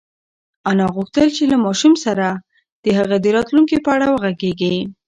انا غوښتل چې له ماشوم سره د هغه د راتلونکي په اړه وغږېږي.